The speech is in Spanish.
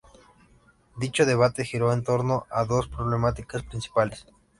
Dicho debate giró en torno a dos problemáticas principales.